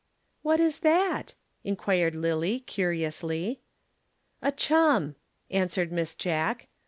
"What is that?" inquired Lillie curiously. "A chum," answered Miss Jack.